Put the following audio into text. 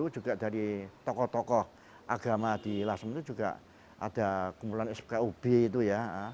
juga dari tokoh tokoh agama di lasem itu juga ada kumpulan skub itu ya